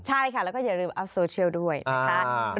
ใช่ค่ะแล้วก็อย่าลืมเอาโซเชียลด้วยนะคะ